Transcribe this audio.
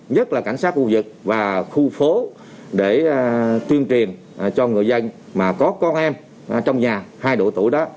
nhất là cảnh sát khu vực và khu phố để tuyên truyền cho người dân mà có con em trong nhà hai độ tuổi đó